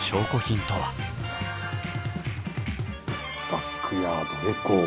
バックヤードへゴー。